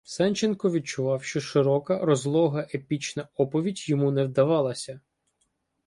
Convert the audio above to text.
Сенченко відчував, що широка, розлога епічна оповідь йому не вдавалася.